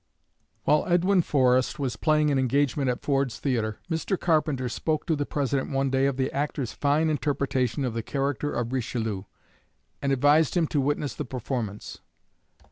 While Edwin Forrest was playing an engagement at Ford's Theatre, Mr. Carpenter spoke to the President one day of the actor's fine interpretation of the character of Richelieu, and advised him to witness the performance.